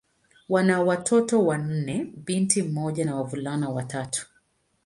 Wana watoto wanne: binti mmoja na wavulana watatu.